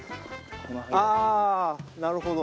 ああなるほど。